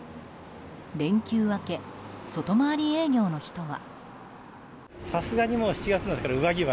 連休明け、外回り営業の人は。